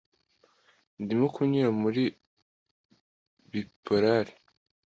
Ndimo kunyura muri bipolar